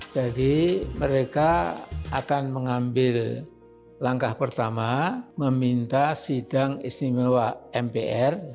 jadi mereka akan mengambil langkah pertama meminta sidang istimewa mpr